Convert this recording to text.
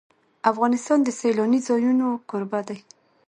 افغانستان د سیلانی ځایونه کوربه دی.